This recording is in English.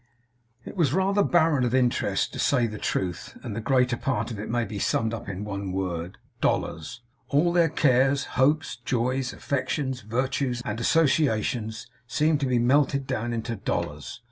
It was rather barren of interest, to say the truth; and the greater part of it may be summed up in one word. Dollars. All their cares, hopes, joys, affections, virtues, and associations, seemed to be melted down into dollars.